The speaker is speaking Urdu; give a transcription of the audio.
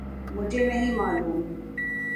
مجھے نہیں معلوم۔